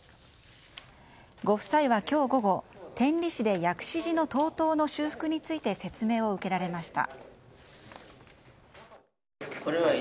ご夫妻は今日午後、天理市で薬師寺の東塔の修復について説明を受けられました。